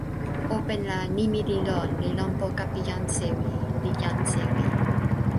open la nimi li lon li lon poka pi jan sewi li jan sewi.